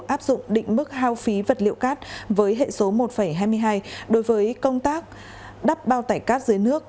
áp dụng định mức hao phí vật liệu cát với hệ số một hai mươi hai đối với công tác đắp bao tải cát dưới nước